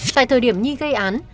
tại thời điểm nhi gây án